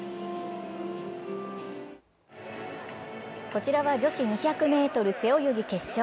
こちらは女子２００ｍ背泳ぎ決勝。